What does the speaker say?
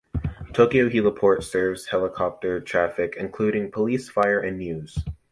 Tokyo Heliport serves helicopter traffic, including police, fire, and news.